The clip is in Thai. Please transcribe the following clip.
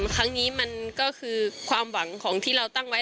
ครั้งนี้มันก็คือความหวังของที่เราตั้งไว้